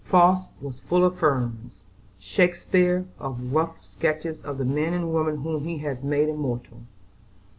Faust was full of ferns, Shakspeare, of rough sketches of the men and women whom he has made immortal.